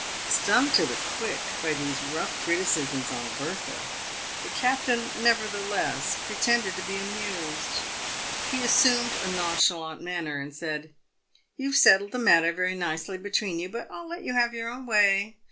Stung to the quick by these rough criticisms on Bertha, the captain nevertheless pretended to be amused. He assumed a nonchalant manner, and said, " You've settled the matter very nicely between you, but I'll let you have your own way.